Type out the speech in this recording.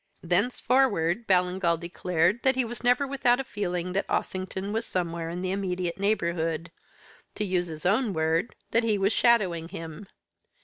"Thenceforward, Ballingall declared that he was never without a feeling that Ossington was somewhere in the intermediate neighbourhood to use his own word, that he was shadowing him.